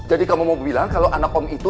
jadi kamu mau bilang kalau anak om itu